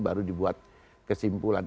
baru dibuat kesimpulan